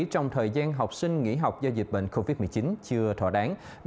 trong thời gian học sinh nghỉ học do dịch bệnh covid một mươi chín chưa thỏa đáng